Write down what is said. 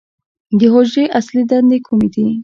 د حجرې اصلي دندې کومې دي؟